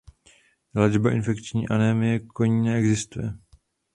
Léčba infekční anémie koní neexistuje.